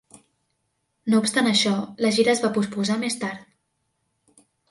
No obstant això, la gira es va posposar més tard.